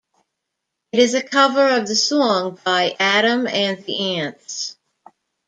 It is a cover of the song by Adam and the Ants.